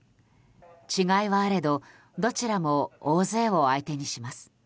違いはあれど、どちらも大勢を相手にします。